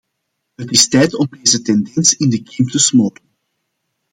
Het is tijd om deze tendens in de kiem te smoren.